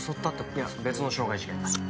いや別の傷害事件だ。